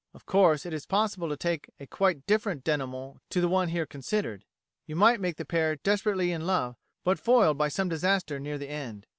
Of course, it is possible to take a quite different dénouement to the one here considered. You might make the pair desperately in love, but foiled by some disaster near the end.